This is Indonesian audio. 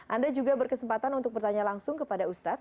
anda juga berkesempatan untuk pertanyaan langsung kepada ustad